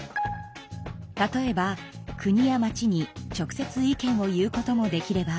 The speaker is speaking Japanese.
例えば国や町に直接意見を言うこともできれば。